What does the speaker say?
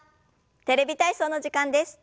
「テレビ体操」の時間です。